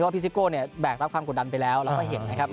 เพราะพิซิโก้แบกรับความกุดดันไปแล้วเราก็เห็นนะครับ